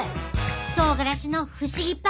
とうがらしの不思議パワー！